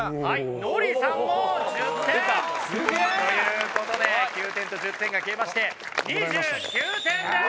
ノリさんも１０点という事で９点と１０点が消えまして２９点です。